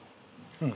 うん。